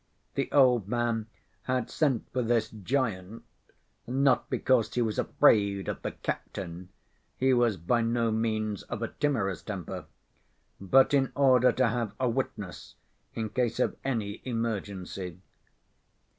The old man had sent for this giant, not because he was afraid of the "captain" (he was by no means of a timorous temper), but in order to have a witness in case of any emergency.